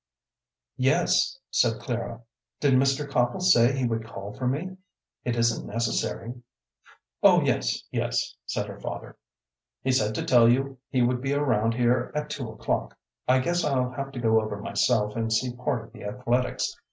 "Yes," said Clara. "Did Mr. Copple say he would call for me? It isn't necessary." "Oh yes, yes," said her father; "he said to tell you he would be around here at two o'clock. I guess I'll have to go over myself and see part of the athletics.